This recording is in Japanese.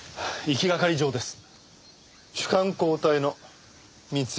行きがかり上です。